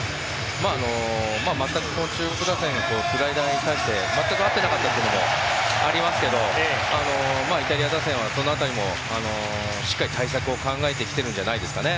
全く中国打線がスライダーに合っていなかったというのもありますがイタリア打線はその辺りもしっかり対策を考えてきていると思います。